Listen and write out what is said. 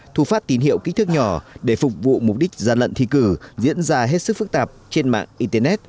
thu phát tín hiệu kích thước nhỏ để phục vụ mục đích gian lận thi cử diễn ra hết sức phức tạp trên mạng internet